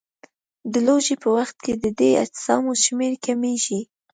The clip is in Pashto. د لوږې په وخت کې د دې اجسامو شمېر کمیږي.